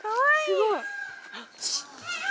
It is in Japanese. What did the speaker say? すごい！